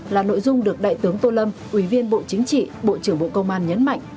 là nội dung được đại tướng tô lâm ủy viên bộ chính trị bộ trưởng bộ công an nhấn mạnh